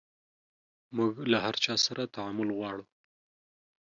موژ له هر چا سره تعامل غواړو